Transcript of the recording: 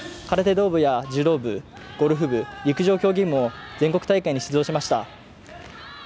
空手道部や柔道部、ゴルフ部陸上競技部も全国大会に出場しました。